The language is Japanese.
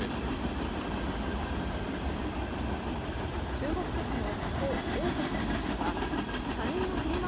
中国籍のコ・オウハク容疑者は他人のフリマ